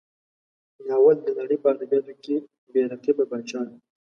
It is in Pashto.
ناول د نړۍ په ادبیاتو کې بې رقیبه پاچا دی.